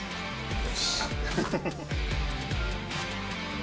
よし。